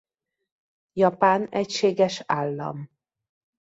Japán egységes állam.